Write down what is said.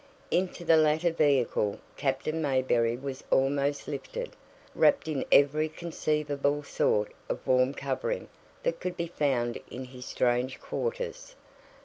Into the latter vehicle Captain Mayberry was almost lifted, wrapped in every conceivable sort of warm covering that could be found in his strange quarters.